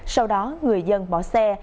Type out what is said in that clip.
sau đó người dân bỏ xe